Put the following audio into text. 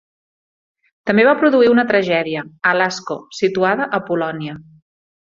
També va produir una tragèdia, "Alasco", situada a Polònia.